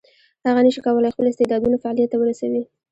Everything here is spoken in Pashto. هغه نشي کولای خپل استعدادونه فعلیت ته ورسوي.